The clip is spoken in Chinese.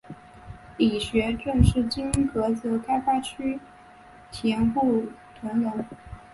李学政是今菏泽开发区佃户屯人。